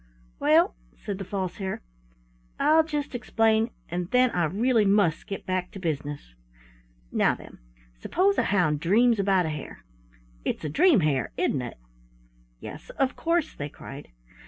"Well," said the False Hare, "I'll just explain, and then I really must get back to business. Now then, suppose a hound dreams about a hare? It's a dream hare, isn't it?" "Yes, of course," they cried.